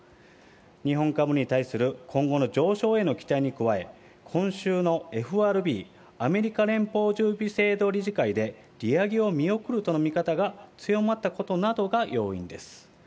日本株に対する今後の上昇への期待に加え、今週のＦＲＢ・連邦準備制度理事会で、利上げを見送るとの見方が強まったことなどが要因です。